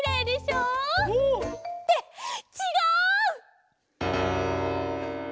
うん。ってちがう！